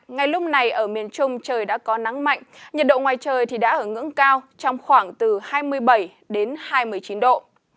ngay lúc này ở miền trung trời đã có nắng mạnh nhiệt độ ngoài trời đã ở ngưỡng cao trong khoảng từ hai mươi bảy đến hai mươi chín độ